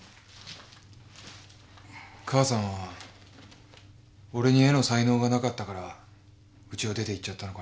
母さんは俺に絵の才能がなかったからウチを出て行っちゃったのかな？